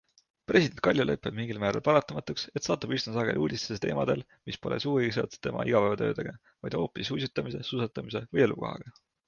President Kaljulaid peab mingil määral paratamatuks, et satub üsna sageli uudistesse teemadel, mis pole sugugi seotud tema igapäevatööga, vaid hoopis uisutamise, suusatamise või elukohaga.